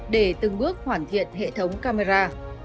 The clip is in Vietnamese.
để từng bước hoàn thiện hệ thống camera